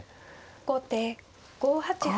後手５八歩。